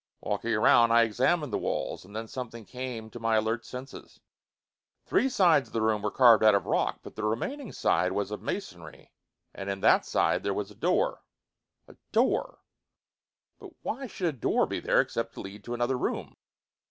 Walking around, I examined the walls, and then something came to my alert senses. Three sides of the room were carved out of rock, but the remaining side was of masonry, and in that side there was a door. A door! And why should a door be there except to lead to another room?